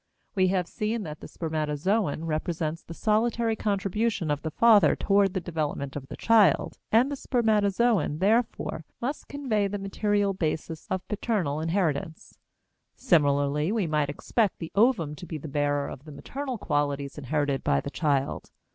We have seen that the spermatozoon represents the solitary contribution of the father toward the development of the child, and the spermatozoon, therefore, must convey the material basis of paternal inheritance. Similarly we might expect the ovum to be the bearer of the maternal qualities inherited by the child.